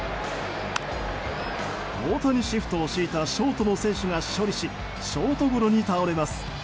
大谷シフトを敷いたショートの選手が処理しショートゴロに倒れます。